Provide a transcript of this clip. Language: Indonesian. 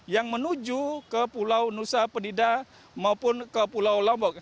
yang menuju ke pulau nusa penida maupun ke pulau lombok